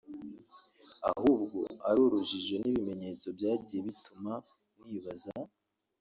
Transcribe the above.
ahubwo ari urujijo n’ibimenyetso byagiye bituma nibaza